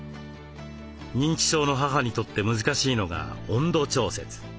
認知症の母にとって難しいのが温度調節。